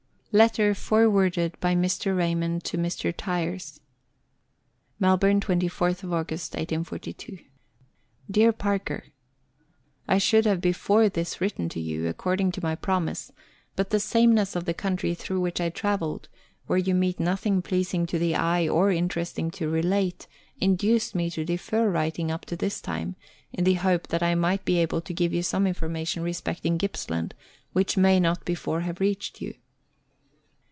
Letter forwarded by Mr. Raymond to Mr. Tyers. Melbourne, 24th August 1842. DEAR PARKER, I should have before this written to you, according to my promise, but the sameness of the country through which I travelled, where you meet nothing pleasing to the eye or interesting to relate, induced me to defer writing up to this time, in the hope that I might be able to give you some information respecting Gippsland which may not before have reached you.